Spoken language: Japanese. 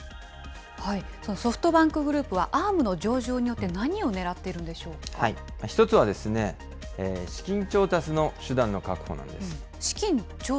そのソフトバンクグループは、Ａｒｍの上場によって何をねらっ１つは、資金調達の手段の確保なんです。